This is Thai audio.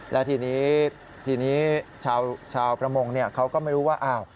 และทีนี้ชาวประมงเขาก็ไม่รู้ว่า